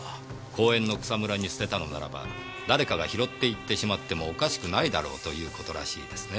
公園の草むらに捨てたのならば誰かが拾って行ってもおかしくないだろうということらしいですね。